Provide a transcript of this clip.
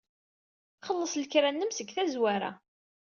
Xelleṣ lekra-nnem seg tazwara.